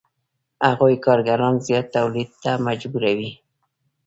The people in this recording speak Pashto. هغوی کارګران زیات تولید ته مجبوروي